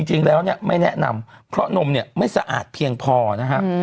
จริงแล้วเนี่ยไม่แนะนำเพราะนมเนี่ยไม่สะอาดเพียงพอนะฮะ